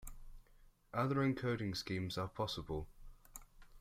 Other encoding schemes are possible.